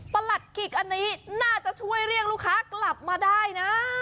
หลัดกิกอันนี้น่าจะช่วยเรียกลูกค้ากลับมาได้นะ